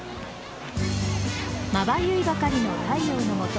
まばゆいばかりの太陽の下